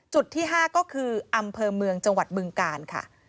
จุดที่๕ก็คืออำเภอเมืองจังหวัดบึงกาลค่ะ